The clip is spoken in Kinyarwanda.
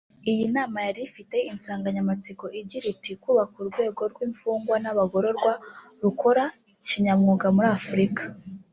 Iyi nama yari ifite insanganyamatsiko igira iti “Kubaka urwego rw’imfungwa n’abagororwa rukora kinyamwuga muri Afurika